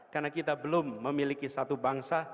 karena kita belum memiliki satu bangsa